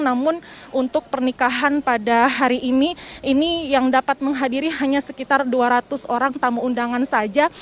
namun untuk pernikahan pada hari ini ini yang dapat menghadiri hanya sekitar dua ratus orang tamu undangan saja